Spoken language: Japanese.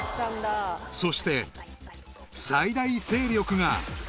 ［そして最大勢力が］